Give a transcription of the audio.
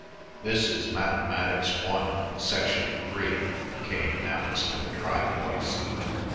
"This is Mathematics One, Section Three," Kane announced in a dry voice.